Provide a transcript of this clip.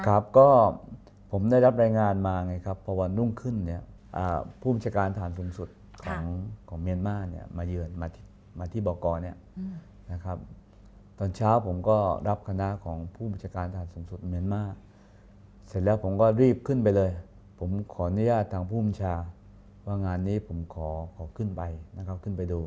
ครับก็ผมได้รับรายงานมาไงครับพอวันรุ่งขึ้นเนี่ยผู้บัญชาการฐานสูงสุดของเมียนมาเนี่ยมาเยือนมาที่บอกกรเนี่ยนะครับตอนเช้าผมก็รับคณะของผู้บัญชาการฐานสูงสุดเมียนมาร์เสร็จแล้วผมก็รีบขึ้นไปเลยผมขออนุญาตทางภูมิชาว่างานนี้ผมขอขึ้นไปนะครับขึ้นไปดู